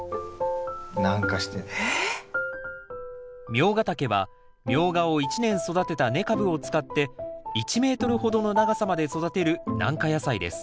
ミョウガタケはミョウガを１年育てた根株を使って１ｍほどの長さまで育てる軟化野菜です